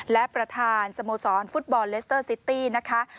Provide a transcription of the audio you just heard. และประธานสโมสรฟุตบอลเลสเตอร์ซิตี้นะคะ